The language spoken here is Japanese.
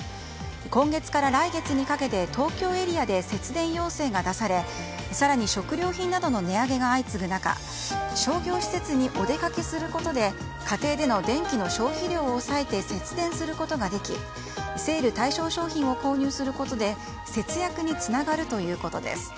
今月から来月にかけて東京エリアで節電要請が出され更に食料品などの値上げが相次ぐ中商業施設にお出かけすることで家庭での電気の消費量を抑えて節電することができセール対象商品を購入することで節約につながるということです。